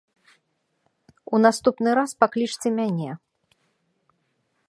У наступны раз паклічце мяне.